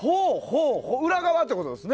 裏側ってことですね。